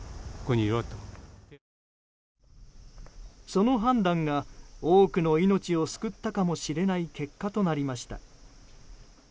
その判断が多くの命を救ったかもしれない結果となりました。